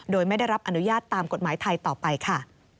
โดยไม่ได้รับอนุญาตตามกฎหมายไทยต่อไปค่ะ